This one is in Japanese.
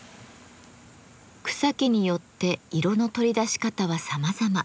草木によって色の取り出し方はさまざま。